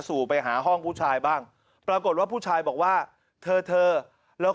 สู่ไปหาห้องผู้ชายบ้างปรากฏว่าผู้ชายบอกว่าเธอเธอแล้ว